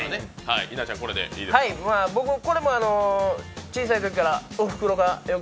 僕、これも小さいときからおふくろがよく。